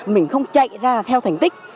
mình không chạy ra theo thành tích